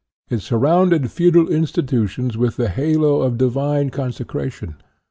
It surrounded feudal institutions with the halo of divine con secration.